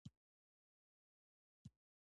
په ګلونو کښېنه، بوی یې خوندور دی.